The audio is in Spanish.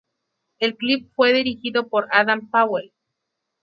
El clip fue dirigido por Adam Powell.